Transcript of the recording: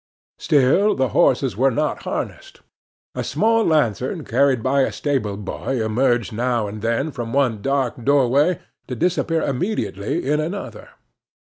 Still the horses were not harnessed. A small lantern carried by a stable boy emerged now and then from one dark doorway to disappear immediately in another.